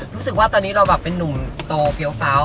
รู้สึกว่าตอนนี้เราแบบเป็นนุ่มโตเฟี้ยวฟ้าว